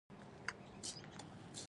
په خپل مخ باندې يې د څپېړو باران جوړ کړ.